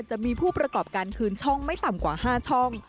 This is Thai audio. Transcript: จะมีผู้ประกอบการคืนช่องไม่ต่ำกว่า๕ช่อง